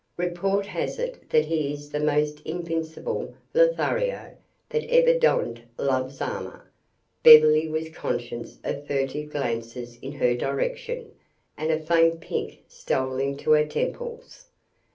Report has it that he is the most invincible Lothario that ever donned love's armor." Beverly was conscious of furtive glances in her direction, and a faint pink stole into her temples.